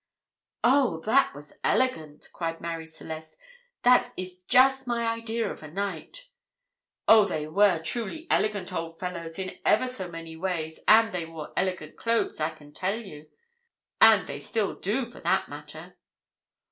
"Oh, that was elegant!" cried Marie Celeste; "that is just my idea of a Knight." "Oh, they were truly elegant old fellows in ever so many ways, and they wore elegant clothes, I can tell you; and they do still, for that matter."